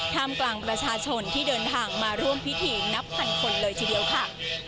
ท่ามกลางประชาชนที่เดินทางมาร่วมพิธีนับพันคนเลยทีเดียวค่ะ